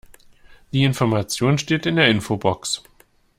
Die Information steht in der Infobox.